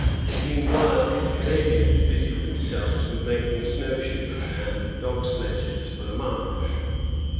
Meanwhile his Canadians busied themselves with making snow shoes and dog sledges for the march.